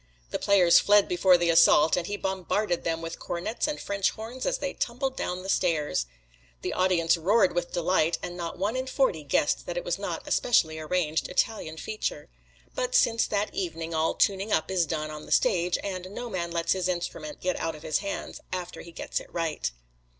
The players fled before the assault, and he bombarded them with cornets and French horns as they tumbled down the stairs. "The audience roared with delight, and not one in forty guessed that it was not a specially arranged Italian feature. But since that evening all tuning up is done on the stage, and no man lets his instrument get out of his hands after he gets it right."